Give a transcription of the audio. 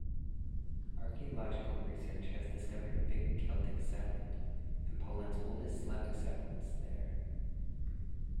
Archeological research has discovered a big Celtic settlement and Poland's oldest Slavic settlements there.